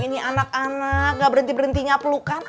ini anak anak gak berhenti berhentinya pelukan